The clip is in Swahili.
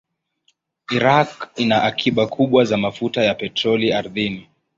Iraq ina akiba kubwa za mafuta ya petroli ardhini.